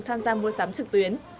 tham gia mua sắm trực tuyến